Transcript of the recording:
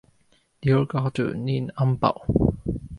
Dio gardu nin ambaŭ!